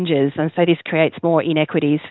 jadi ini menciptakan lebih banyak kegiatan